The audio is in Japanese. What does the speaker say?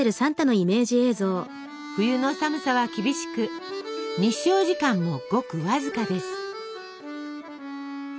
冬の寒さは厳しく日照時間もごくわずかです。